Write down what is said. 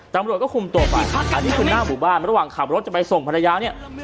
ตำรวจก็คุมตัวไปที่คุณหน้าบุบันระหว่างขับรถจะไปส่งภรรยา